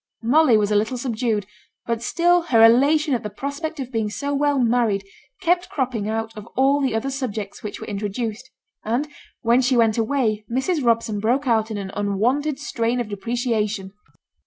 Molly was a little subdued; but still her elation at the prospect of being so well married kept cropping out of all the other subjects which were introduced; and when she went away, Mrs. Robson broke out in an unwonted strain of depreciation.